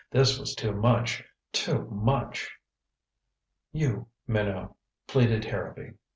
This was too much too much! "You, Minot " pleaded Harrowby.